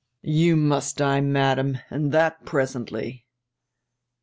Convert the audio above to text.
'] 'You must die, madam,' said he, 'and that presently.'